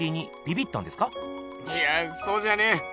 いやぁそうじゃねえ。